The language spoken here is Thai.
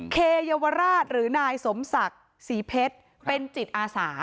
เคยเยาวราชหรือนายสมศักดิ์ศรีเพชรเป็นจิตอาสา